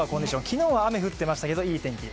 昨日は雨が降っていましたけれども、今日はいい天気。